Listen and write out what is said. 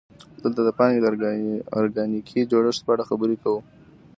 دلته د پانګې د ارګانیکي جوړښت په اړه خبرې کوو